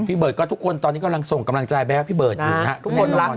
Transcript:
พี่เบิร์ดก็ทุกคนตอนนี้กำลังส่งกำลังใจแบบว่าพี่เบิร์ดอยู่นะ